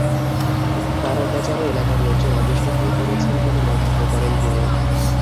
তাঁর অত্যাচারে এলাকার লোকজন অতিষ্ঠ হয়ে পড়েছেন বলে মন্তব্য করেন তিনি।